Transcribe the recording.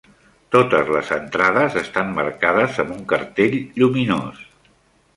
Totes les entrades estan marcades amb un cartell lluminós.